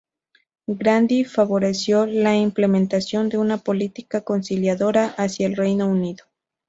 Grandi favoreció la implementación de una política conciliadora hacia el Reino Unido.